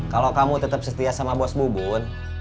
kalau kamu tetap setia sama bos bubun